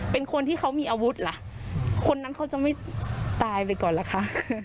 เป็นคนที่เขามีอาวุธล่ะคนนั้นเขาจะไม่ตายไปก่อนล่ะคะ